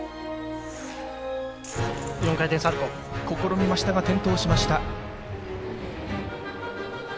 試みましたが転倒しました。